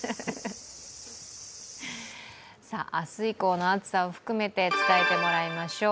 明日以降の暑さを含めて伝えてもらいましょう。